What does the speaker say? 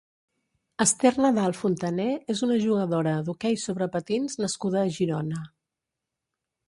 Ester Nadal Fontané és una jugadora d'hoquei sobre patins nascuda a Girona.